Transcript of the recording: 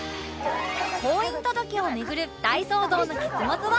婚姻届をめぐる大騒動の結末は？